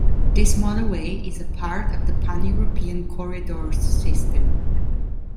This motorway is a part of the Pan-European corridors system.